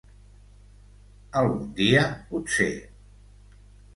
Algun dia, potser.